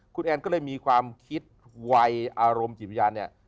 คุณแอนก็เลยมีความคิดวัยอารมณ์จิตวิญญาณเนี่ย